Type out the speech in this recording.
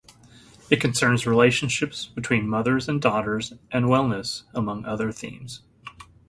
It concerns relationships between mothers and daughters and "wellness", among other themes.